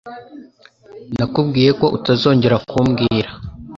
Nakubwiye ko utazongera kumbwira.